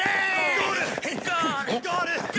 ゴール！